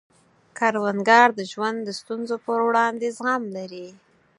کروندګر د ژوند د ستونزو پر وړاندې زغم لري